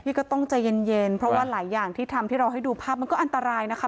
ก็ต้องใจเย็นเพราะว่าหลายอย่างที่ทำให้เราให้ดูภาพมันก็อันตรายนะคะ